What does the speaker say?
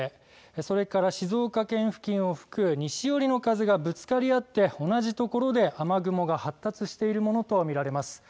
それから静岡県付近を吹く西寄りの風がぶつかり合って同じ所で雨雲が発達しているものとみられます。